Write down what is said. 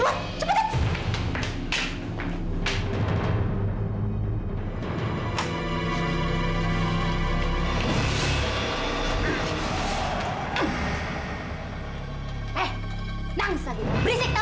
udah malu dengan giginya